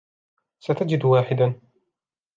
ستجد واحدا.